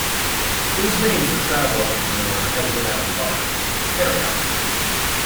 It was named for travel entrepreneur Edwin L. Bonner, a ferry operator.